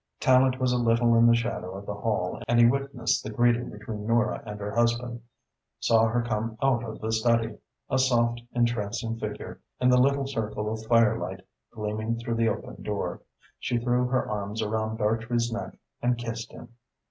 Tallente was a little in the shadow of the hall and he witnessed the greeting between Nora and her husband: saw her come out of the study, a soft, entrancing figure in the little circle of firelight gleaming through the open door. She threw her arms around Dartrey's neck and kissed him.